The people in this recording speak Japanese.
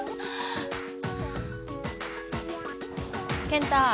健太。